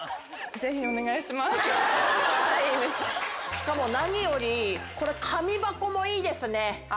しかも何よりこれ紙箱もいいですね。